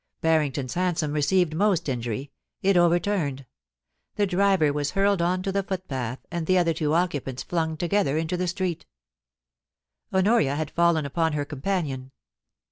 Harrington's hansom received most injury ; it overturned ; the driver was hurled on to the footpath, and the other two occupants flung together into the street Honoria had fallen upon her companion.